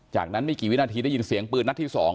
จากนั้นไม่กี่วินาทีได้ยินเสียงปืนนัดที่๒